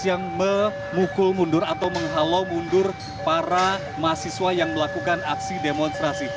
yang memukul mundur atau menghalau mundur para mahasiswa yang melakukan aksi demonstrasi